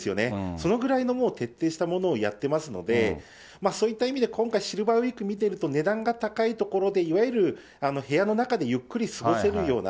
そのぐらいのもう徹底したものをやってますので、そういった意味で今回、シルバーウイーク見てると値段が高いところで、いわゆる部屋の中でゆっくり過ごせるような、